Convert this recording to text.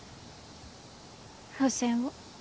風船を？